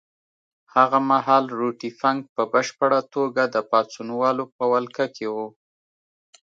هغه مهال روټي فنک په بشپړه توګه د پاڅونوالو په ولکه کې وو.